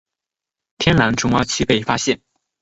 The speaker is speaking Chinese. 天蓝丛蛙区被发现。